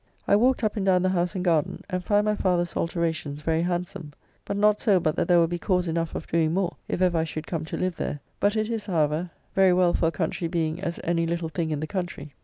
I walked up and down the house and garden, and find my father's alteracions very handsome. But not so but that there will be cause enough of doing more if ever I should come to live there, but it is, however, very well for a country being as any little thing in the country.